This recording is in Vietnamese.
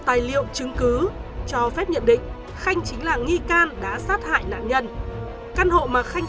tài liệu chứng cứ cho phép nhận định khanh chính là nghi can đã sát hại nạn nhân căn hộ mà khanh